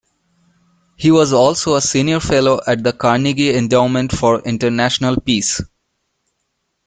He was also a Senior Fellow at the Carnegie Endowment for International Peace.